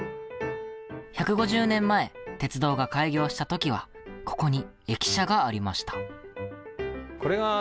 １５０年前、鉄道が開業した時はここに駅舎がありました。